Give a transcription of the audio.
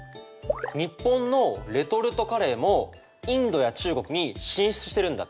日本のレトルトカレーもインドや中国に進出してるんだって。